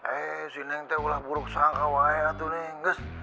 eh si neng tuh udah buruk sangat kewaya tuh neng